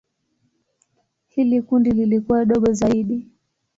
Hili kundi lilikuwa dogo zaidi.